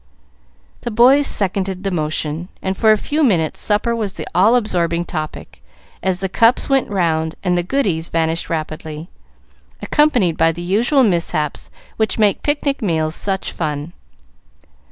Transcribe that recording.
The boys seconded the motion, and for a few minutes supper was the all absorbing topic, as the cups went round and the goodies vanished rapidly, accompanied by the usual mishaps which make picnic meals such fun.